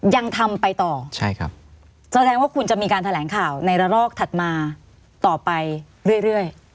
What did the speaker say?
ยังทำไปต่อใช่ครับแสดงว่าคุณจะมีการแถลงข่าวในระลอกถัดมาต่อไปเรื่อย